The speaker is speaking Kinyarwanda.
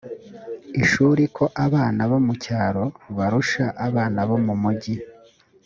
ishuri ko abana bo mu cyaro barusha abana bo mu mugi